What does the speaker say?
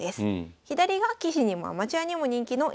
左が棋士にもアマチュアにも人気の居飛車穴熊。